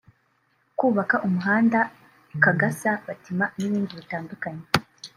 kubaka umuhanda Kagasa- Batima n’ibindi bitandukanye